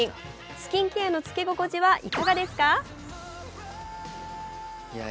スキンケアのつけ心地はいかがですか？